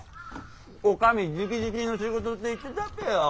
お上じきじきの仕事って言ってたっぺよ！